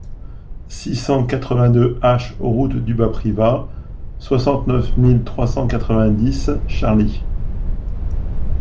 six cent quatre-vingt-deux H route du Bas Privas, soixante-neuf mille trois cent quatre-vingt-dix Charly